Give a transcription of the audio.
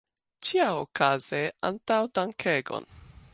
Ĉiaokaze, antaŭdankegon!